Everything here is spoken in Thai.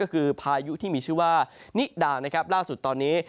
นี่ก็คือพายุที่มีชื่อว่านิดาล่าสุดตอนนี้